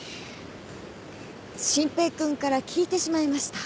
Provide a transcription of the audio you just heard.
真平君から聞いてしまいました。